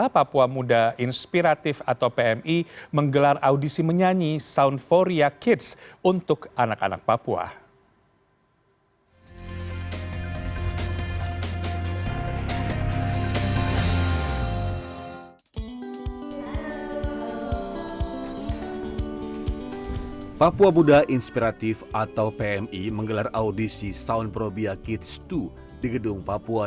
papua muda inspiratif atau pmi menggelar audisi menyanyi soundphoria kids untuk anak anak papua